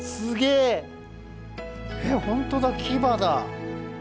えっ本当だ牙だ。